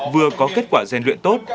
vừa có kết quả rèn luyện tốt